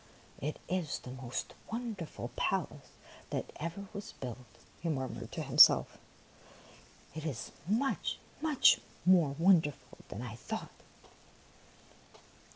" It is the most wonderful palace that ever was built," he murmured to himself ;'' it is much, much more wonderful than I thought."